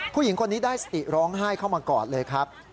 ผู้หญิงคนนี้ได้สติร้องไห้เข้ามากอดเลยครับ